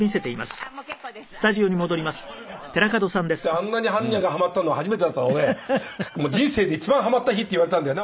あんなに般若がはまったのは初めてだったので人生で一番はまった日って言われたんだよな？